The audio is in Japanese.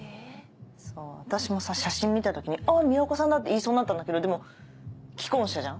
私もさ写真見た時に「あっ宮岡さんだ！」って言いそうになったんだけどでも既婚者じゃん？